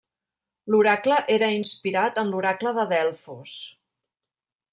L'oracle era inspirat en l'Oracle de Delfos.